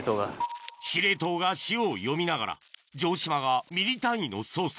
司令塔が潮を読みながら城島がミリ単位の操作